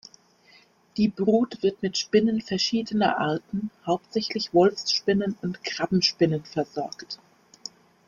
Die Brut wird mit Spinnen verschiedener Arten, hauptsächlich Wolfsspinnen und Krabbenspinnen versorgt.